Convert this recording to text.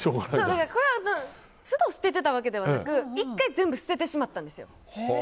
だから、これは都度捨ててたわけではなく１回全部捨ててしまったんですよ。